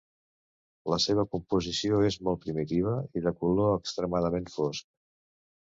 La seva composició és molt primitiva i de color extremadament fosc.